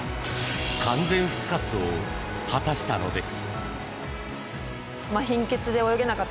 完全復活を果たしたのです。